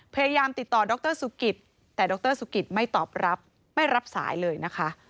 พยายามติดต่อดรสุกิตแต่ดรสุกิตไม่ตอบรับไม่รับสายเลยนะคะ